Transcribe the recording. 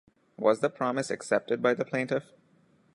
Was the promise accepted by the plaintiff?